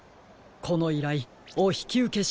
このいらいおひきうけしましょう。